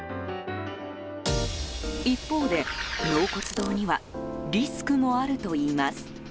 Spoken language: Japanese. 一方で、納骨堂にはリスクもあるといいます。